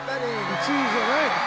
１位じゃない。